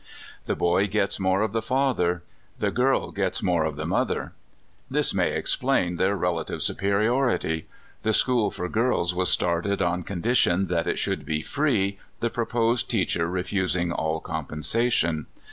The boy gets more of the father; the girl gets more of the mother. This may explain their relative supe riority. The school for girls was started on con dition that it should be free, the proposed teacher refusing all compensation.